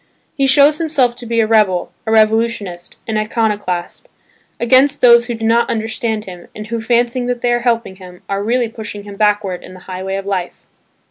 He shows himself to be a rebel, a revolutionist, an iconoclast, against those who do not understand him and who, fancying that they are helping him, are really pushing him backward in the highway of life.